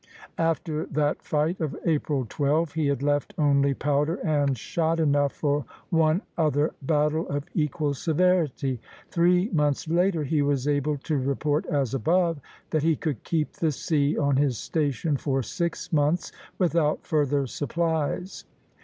After that fight of April 12 he had left only powder and shot enough for one other battle of equal severity. Three months later he was able to report as above, that he could keep the sea on his station for six months without further supplies.